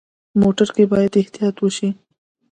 موټر کې باید احتیاط وشي.